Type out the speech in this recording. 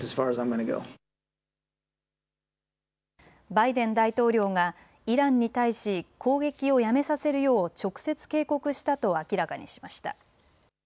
バイデン大統領がイランに対し攻撃をやめさせるよう直接警告したと明らかにしました。